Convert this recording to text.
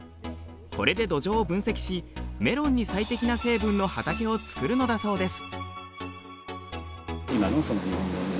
これで土壌を分析しメロンに最適な成分の畑を作るのだそうです。